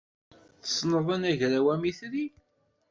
Tessneḍ anagraw amitri?